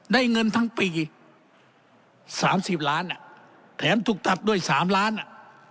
ได้เงินทั้งปี๓๐ล้านอ่ะแถมถูกตัดด้วย๓ล้านอ่ะ